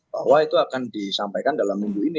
bahwa itu akan disampaikan dalam minggu ini